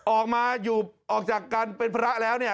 ออกมาอยู่ออกจากกันเป็นพระแล้วเนี่ย